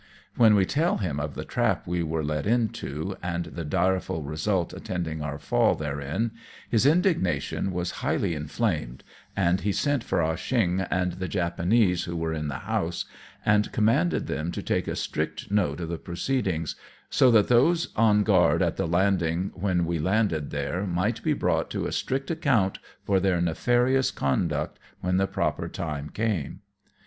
When we tell him of the trap we were led into, and the direful result attending our fall therein, his indig nation was highly inflamed, and he sent for Ah Cheong and the Japanese who were in the house, and commanded them to take a strict note of the proceedings, so that those on guard at the landing when we landed, there might be brought to a strict account for their nefarious conduct, when the proper time came.